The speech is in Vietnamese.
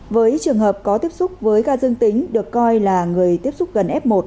với trường hợp có tiếp xúc với ca dương tính được coi là người tiếp xúc gần f một